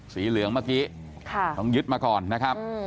สีเหลืองเมื่อกี้ต้องยึดมาก่อนนะครับ